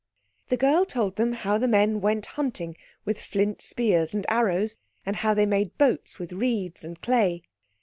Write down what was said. The girl told them how the men went hunting with flint spears and arrows, and how they made boats with reeds and clay.